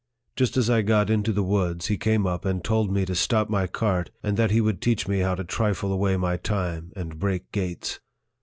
Just as I got into the woods, he came up and told me to stop my cart, and that he would teach me how to trifle away my time, and break gates.